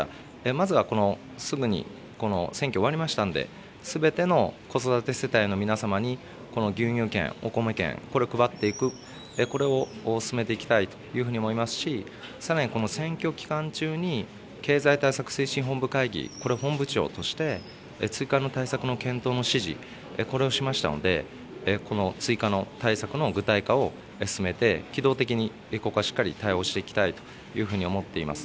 まずは、この、すぐに、この選挙終わりましたので、すべての子育て世帯の皆様に、この牛乳券、お米券、これを配っていく、これを進めていきたいと思うふうに思いますし、さらにこの選挙期間中に経済対策推進本部会議、これ、本部長として追加の対策の検討の指示、これをしましたので、この追加の対策の具体化を進めて、機動的に、ここはしっかり対応していきたいというふうに思っています。